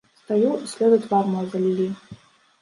Стаю, і слёзы твар мой залілі.